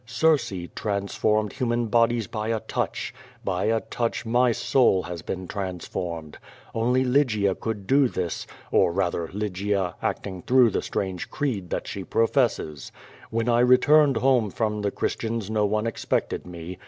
Circe transformed human bodies by a touch. l>y a touch my soul has been transform ed. Only Lygia could do this, or, rather, Lygia, acting through the strange creed that she professes. \\'hen I re turned home from the Christians no one expected me.